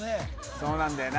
そうなんだよな